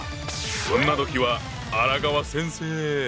そんな時は荒川先生！